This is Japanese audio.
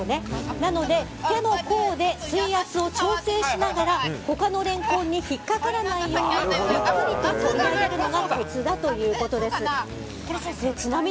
なので手の甲で水圧を調整しながら他のレンコンに引っかからないようにゆっくりと引き抜くのがコツだということです。